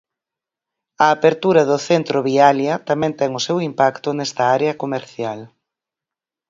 A apertura do centro Vialia tamén ten o seu impacto nesta área comercial.